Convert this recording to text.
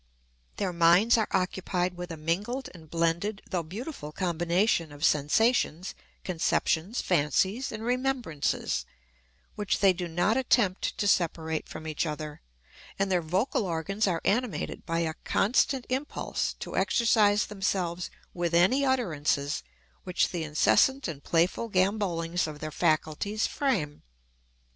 Their minds are occupied with a mingled and blended though beautiful combination of sensations, conceptions, fancies, and remembrances, which they do not attempt to separate from each other, and their vocal organs are animated by a constant impulse to exercise themselves with any utterances which the incessant and playful gambollings of their faculties frame.